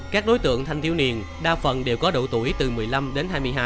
các đối tượng thanh thiếu niên đa phần đều có độ tuổi từ một mươi năm đến hai mươi hai